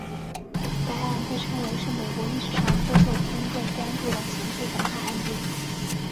该案被称为是美国历史上最受公众关注的刑事审判案件。